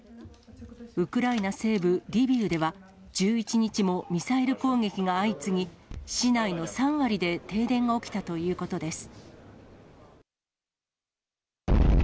ウクライナ西部リビウでは、１１日もミサイル攻撃が相次ぎ、市内の３割で停電が起きたということです。